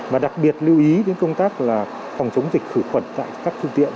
và đặc biệt lưu ý đến công tác phòng chống dịch khử khuẩn tại các phương tiện